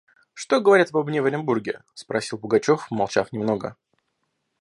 – Что говорят обо мне в Оренбурге? – спросил Пугачев, помолчав немного.